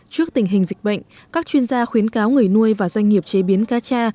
trước tình hình dịch bệnh các chuyên gia khuyến cáo người nuôi và doanh nghiệp chế biến cá cha